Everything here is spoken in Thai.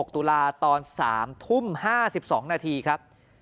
ตุลาตอน๓ทุ่ม๕๒นาทีครับ